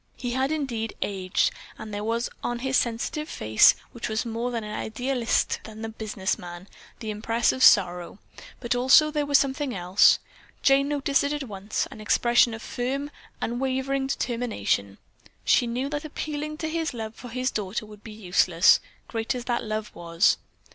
He had indeed aged and there was on his sensitive face, which was more that of an idealist than a business man, the impress of sorrow, but also there was something else. Jane noticed it at once; an expression of firm, unwavering determination. She knew that appealing to his love for his daughter would be useless, great as that love was.